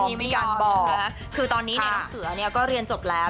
พี่กัลบอกคือตอนนี้เนี่ยน้ำเสือนุ้ะก่อนเรียนจบแล้ว